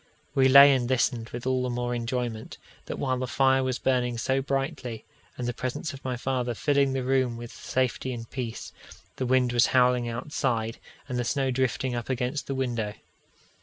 We lay and listened with all the more enjoyment, that while the fire was burning so brightly, and the presence of my father filling the room with safety and peace, the wind was howling outside, and the snow drifting up against the window.